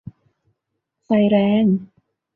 ไฟแรง !